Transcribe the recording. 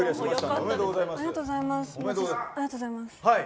ありがとうございます。